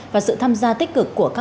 và sự tham gia tích cực của các cơ quan